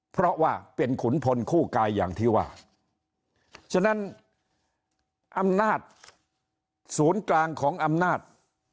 เพราะว่าเป็นขุนพลคู่กายอย่างที่ว่าฉะนั้นอำนาจศูนย์กลางของอำนาจ